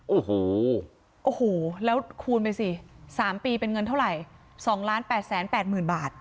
โอ้โหโอ้โหแล้วคูณไปสิ๓ปีเป็นเงินเท่าไหร่๒๘๘๐๐๐บาท